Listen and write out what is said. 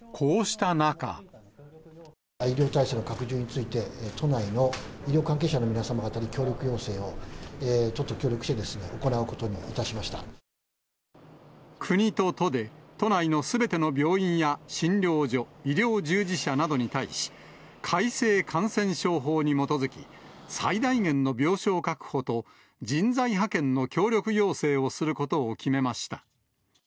医療体制の拡充について、都内の医療関係者の皆様方に協力要請を、都と協力して行うことに国と都で、都内のすべての病院や診療所、医療従事者などに対し、改正感染症法に基づき、最大限の病床確保と、人材派遣の協力要請をすることを決めました。